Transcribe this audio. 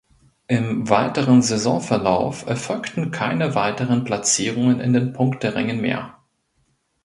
Im weiteren Saisonverlauf erfolgten keine weiteren Platzierungen in den Punkterängen mehr.